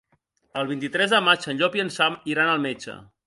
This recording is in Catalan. El vint-i-tres de maig en Llop i en Sam iran al metge.